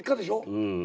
うん。